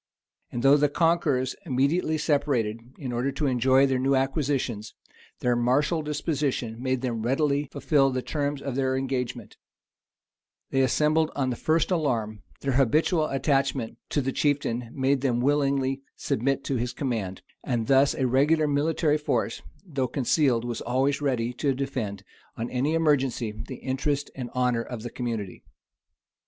And though the conquerors immediately separated, in order to enjoy their new acquisitions, their martial disposition made them readily fulfil the terms of their engagement: they assembled on the first alarm; their habitual attachment to the chieftain made them willingly submit to his command; and thus a regular military force though concealed was always ready to defend, on any emergency, the interest and honor of the community.